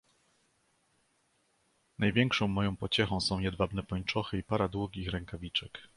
"Największą moją pociechą są jedwabne pończochy i para długich rękawiczek."